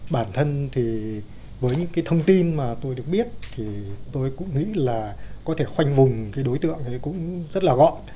bản thân thì với những cái thông tin mà tôi được biết thì tôi cũng nghĩ là có thể khoanh vùng cái đối tượng ấy cũng rất là gọn